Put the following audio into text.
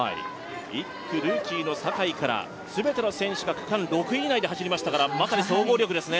１区・ルーキーの酒井から全ての選手が区間６位以内で走りましたから、まさに総合力ですね。